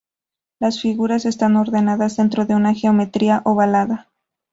Las figuras están ordenadas dentro de una geometría ovalada.